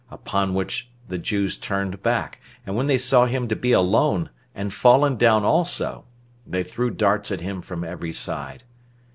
Upon which the Jews turned back, and when they saw him to be alone, and fallen down also, they threw darts at him from every side.